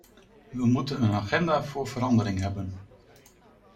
We moeten een agenda voor verandering hebben.